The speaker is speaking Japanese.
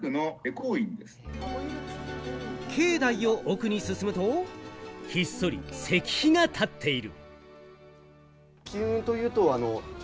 境内を奥に進むと、ひっそり石碑が立っている。